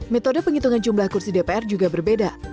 metode penghitungan jumlah kursi dpr juga berbeda